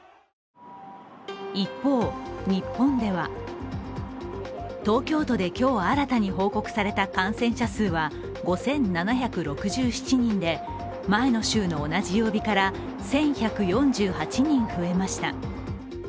一方、日本では東京都で今日、新たに報告された感染者数は５７６７人で前の週の同じ曜日から１１４８人増えました。